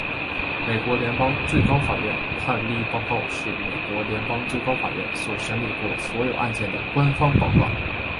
美国联邦最高法院判例报告是美国联邦最高法院所审理过所有案件的官方报告。